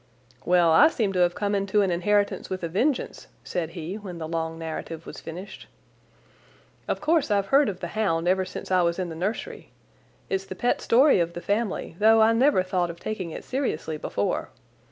"Well, I seem to have come into an inheritance with a vengeance," said he when the long narrative was finished. "Of course, I've heard of the hound ever since I was in the nursery. It's the pet story of the family, though I never thought of taking it seriously before.